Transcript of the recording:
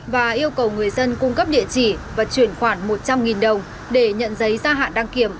và yêu cầu người dân cung cấp địa chỉ và chuyển khoản một trăm linh đồng để nhận giấy ra hạn đăng kiểm